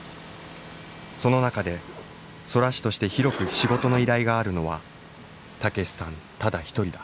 その中で空師として広く仕事の依頼があるのは武さんただ一人だ。